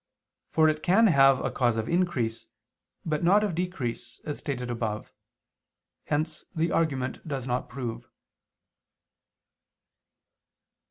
For it can have a cause of increase, but not of decrease, as stated above. Hence the argument does not prove.